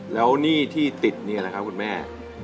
แล้วหนี้ที่ติดนี่แหละครับคุณแม่